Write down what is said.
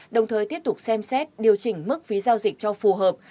đồng thời tiếp tục xem xét điều chỉnh mức phí giao dịch cho phù hợp